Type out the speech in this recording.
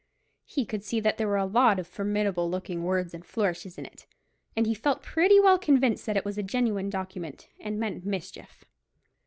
He could see that there were a lot of formidable looking words and flourishes in it, and he felt pretty well convinced that it was a genuine document, and meant mischief.